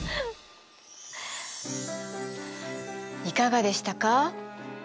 いかがでしたか？